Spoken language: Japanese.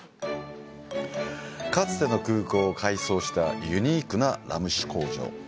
かつての空港を改装したユニークなラム酒工場。